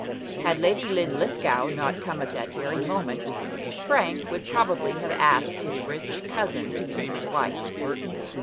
Had Lady Linlithgow not come at that very moment Frank would probably have asked his rich cousin to be his wife.